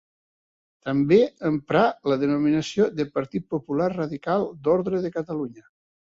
També emprà la denominació de Partit Popular Radical d'Ordre de Catalunya.